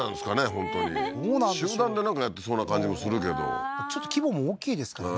本当に集団でなんかやってそうな感じもするけどちょっと規模も大きいですからね